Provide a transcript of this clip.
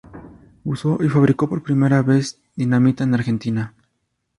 Usó y fabricó por primera vez dinamita en Argentina.